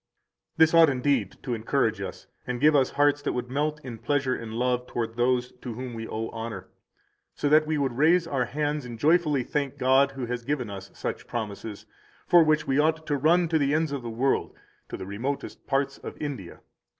166 This ought indeed to encourage us, and give us hearts that would melt in pleasure and love toward those to whom we owe honor, so that we would raise our hands and joyfully thank God who has given us such promises, for which we ought to run to the ends of the world [to the remotest parts of India].